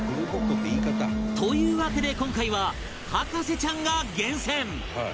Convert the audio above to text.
というわけで今回は博士ちゃんが厳選